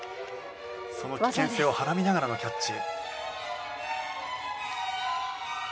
その危険性をはらみながらのキャッチ。